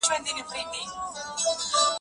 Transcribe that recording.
د نجلۍ سترګې اور ته وځلېدې